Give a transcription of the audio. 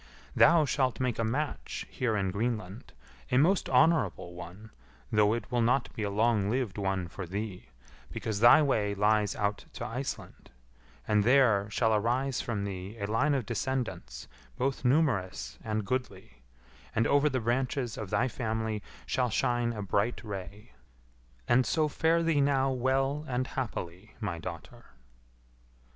Thou shalt make a match here in Greenland, a most honourable one, though it will not be a long lived one for thee, because thy way lies out to Iceland; and there, shall arise from thee a line of descendants both numerous and goodly, and over the branches of thy family shall shine a bright ray. And so fare thee now well and happily, my daughter."